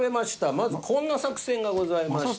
まずこんな作戦がございました。